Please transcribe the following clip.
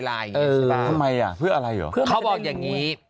แล้วทำไมอ่ะเพื่ออะไรเหรอคือเขาบอกอย่างนี้